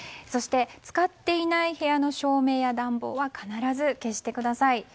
そして使っていない部屋の照明や暖房は必ず消してください。